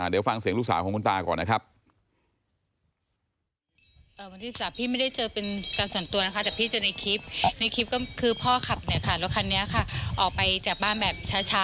เดี๋ยวฟังเสียงลูกสาวของคุณตาก่อนนะครับ